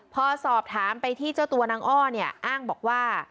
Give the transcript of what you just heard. พอสอบถามไปที่เจ้าตัวนางอ้อเนี่ยอ้างบอกว่า